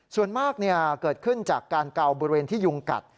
ส่วนมากเกิดขึ้นจากการเกาบริเวณที่ยุงกัด